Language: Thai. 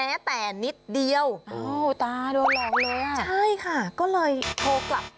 ใช่ค่ะก็เลยทกลับ